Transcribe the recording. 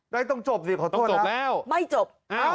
ได้ต้องจบซิขอโทษแล้วไม่จบ